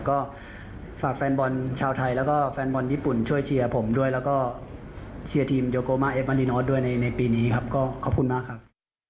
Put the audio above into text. ก็ฝากแฟนบอลชาวไทยแล้วก็แฟนบอลญี่ปุ่นช่วยเชียร์ผมด้วยแล้วก็เชียร์ทีมโยโกมาเอฟมารินอสด้วยในปีนี้ครับก็ขอบคุณมากครับ